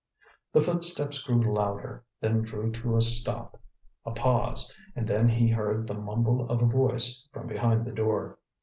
The footsteps grew louder, then drew to a stop. A pause, and then he heard the mumble of a voice from behind the door.